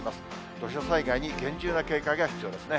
土砂災害に厳重な警戒が必要ですね。